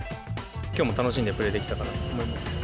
きょうも楽しんでプレーできたかなと思います。